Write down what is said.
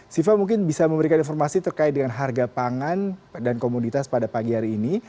siva mungkin bisa memberikan informasi terkait dengan harga pangan dan komoditas pada pagi hari ini